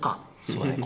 そうね